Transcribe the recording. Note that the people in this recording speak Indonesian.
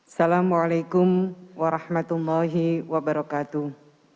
assalamu'alaikum warahmatullahi wabarakatuh